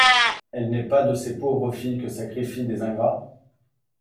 Elle n'est pas de ces pauvres filles que sacrifient des ingrats?